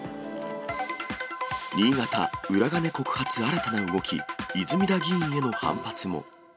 新潟、裏金告発新たな動き、泉田議員への反発も。